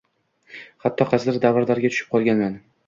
Hatto qaysidir davrlarga tushib qolganman.